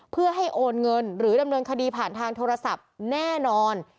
เพื่อให้โอนเงินหรือดำเนินคดีผ่านทางโทรศัพท์แน่นอน